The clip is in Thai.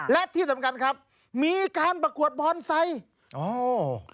และที่สำคัญครับมีการประกวดบอนไซค์อ๋อ